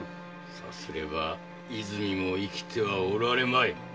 さすれば和泉も生きてはおられまい。